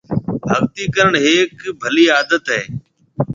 ڀگتِي ڪرڻ هيَڪ ڀلِي عادت هيَ۔